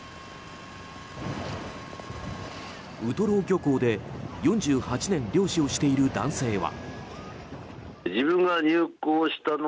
ウトロ漁港で４８年漁師をしている男性は。